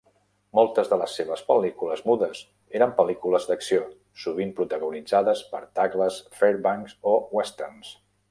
Moltes de les seves pel·lícules mudes eren pel·lícules d'acció, sovint protagonitzades per Douglas Fairbanks, o westerns.